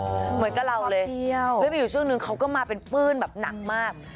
เหมือนกับเราเลยมีอยู่ช่วงนึงเขาก็มาเป็นปื้นแบบหนักมาก